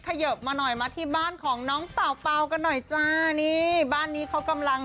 เขยิบมาหน่อยมาที่บ้านของน้องเป่าเป่ากันหน่อยจ้านี่บ้านนี้เขากำลัง